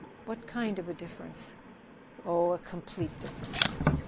"What kind of a difference?" "Oh, a complete difference."